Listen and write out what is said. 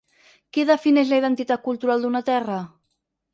Què defineix la identitat cultural d’una terra?